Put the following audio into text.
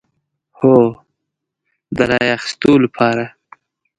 هو، د رای اخیستو لپاره